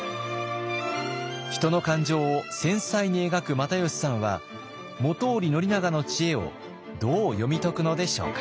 人の感情を繊細に描く又吉さんは本居宣長の知恵をどう読み解くのでしょうか？